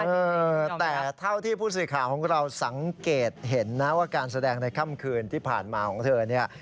เออแต่เท่าที่ผู้สื่อข่าวของเราสังเกตเห็นนะว่าการแสดงในค่ำคืนที่ผ่านมาของเธอเนี่ย